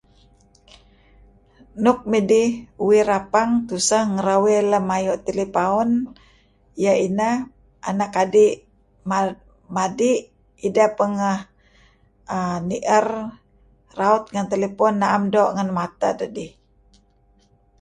Nuk midih uih rapang tuseh ngarawey lem ayu' telepaun, iyeh ineh anak adi' ma madi' ideh pangeh uhm nier raut ngen telepon naem doo' ngen mateh dedih.